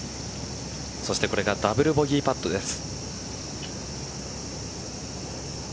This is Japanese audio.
そしてこれがダブルボギーパットです。